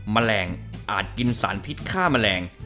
แมลงอาจกินสารพิษฆ่าแมลง